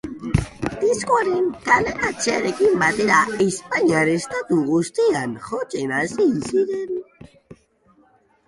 Disko haren kaleratzearekin batera, Espainiar estatu guztian jotzen hasi ziren.